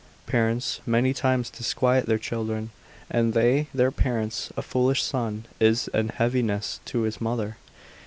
Parents many times disquiet their children, and they their parents. A foolish son is an heaviness to his mother.